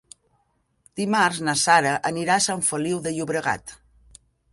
Dimarts na Sara anirà a Sant Feliu de Llobregat.